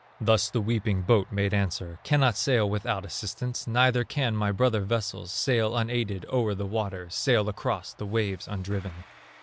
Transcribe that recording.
Thus the weeping boat made answer: "Cannot sail without assistance, Neither can my brother vessels Sail unaided o'er the waters, Sail across the waves undriven."